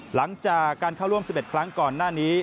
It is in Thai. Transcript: หลังจากการเข้าร่วม๑๑ครั้งก่อนหน้านี้